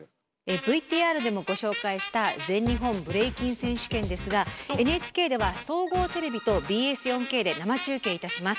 ＶＴＲでもご紹介した「全日本ブレイキン選手権」ですがＮＨＫでは総合テレビとＢＳ４Ｋで生中継いたします。